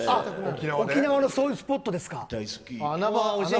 沖縄のそういうスポットですか。